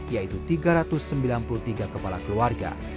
yaitu tiga ratus sembilan puluh tiga kepala keluarga